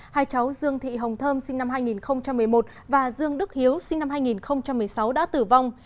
hai cháu dương thị hồng thơm sinh năm hai nghìn một mươi một và dương đức hiếu sinh năm hai nghìn một mươi sáu đã tử vong